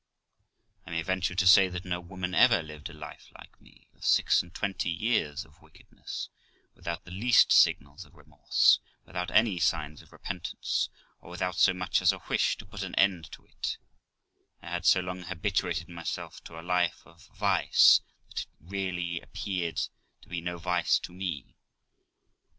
I may venture to say that no woman ever lived a life like me, of six and twenty years of wickedness, without the least signals of remorse, without any signs of repentance, or without so much as a wish to put an end to it; I had so long habituated myself to a life of vice, that really it appeared to be no vice to me.